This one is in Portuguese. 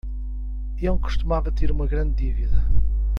Ele costumava ter uma grande dívida